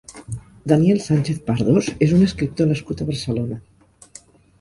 Daniel Sánchez Pardos és un escriptor nascut a Barcelona.